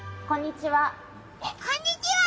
こんにちは！